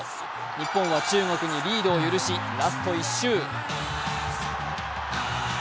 日本は中国にリードを許し、ラスト１周。